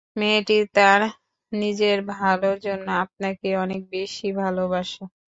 মেয়েটি তার নিজের ভালোর জন্য আপনাকে অনেক বেশি ভালোবাসে।